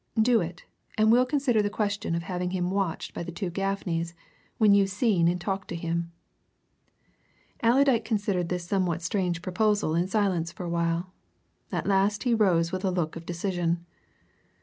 Do it and we'll consider the question of having him watched by the two Gaffneys when you've seen and talked to him." Allerdyke considered this somewhat strange proposal in silence for a while. At last he rose with a look of decision.